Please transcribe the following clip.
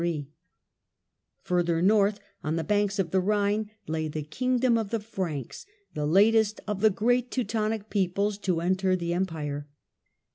The Farther North, on the banks of the Rhine, lay the kingdom of the Franks, the latest of the great Teutonic peoples to enter the Empire.